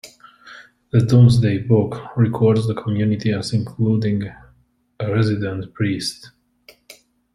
The "Domesday Book" records the community as including a resident priest.